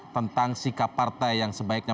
tentang sikap partai yang sebaiknya